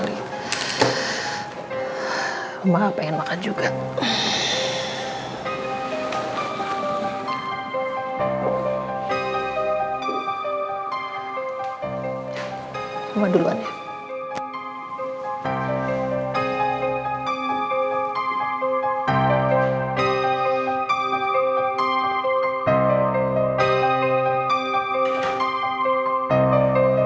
awak memang pikir famously main saat saya pergi ke negara